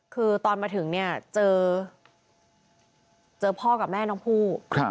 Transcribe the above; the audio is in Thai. คือตอนมาถึงเจอพ่อกับแม่น้องภู